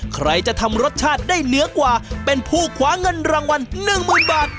ใครจะทำรสชาติได้เหนือกว่าเป็นผู้คว้าเงินรางวัล๑๐๐๐บาท